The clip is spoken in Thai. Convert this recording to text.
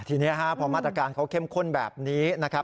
ทีนี้พอมาตรการเขาเข้มข้นแบบนี้นะครับ